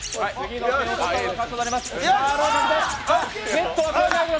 ネットを越えないでよ。